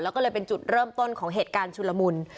แล้วก็เลยเป็นจุดเริ่มต้นของเหตุการณ์ชุลมุน